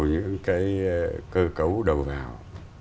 những cái cơ cấu đầu vào